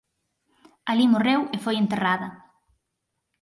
Alí morreu e foi enterrada.